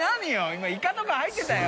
今イカとか入ってたよ？